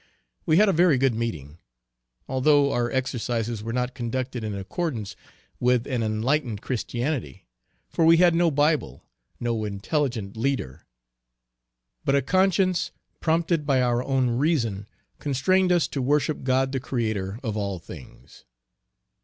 We had a very good meeting, although our exercises were not conducted in accordance with an enlightened Christianity; for we had no Bible no intelligent leader but a conscience, prompted by our own reason, constrained us to worship God the Creator of all things.